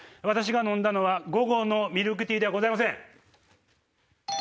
私が飲んだのは午後のミルクティーではございません。